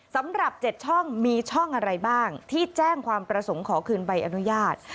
สำหรับ๗ช่องมีช่องอะไรบ้างที่แจ้งความประสงค์ขอคืนใบอนุญาต